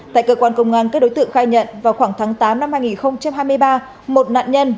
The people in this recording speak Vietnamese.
tại cơ quan công an các đối tượng khai nhận vào khoảng tháng tám năm hai nghìn hai mươi ba một nạn nhân